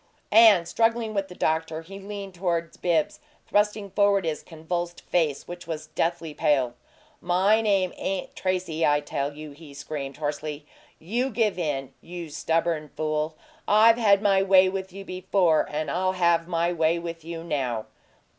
And, struggling with the doctor, he leaned toward Bibbs, thrusting forward his convulsed face, which was deathly pale. "My name ain't Tracy, I tell you!" he screamed, hoarsely. "You give in, you stubborn fool! I've had my way with you before, and I'll have my way with you now!"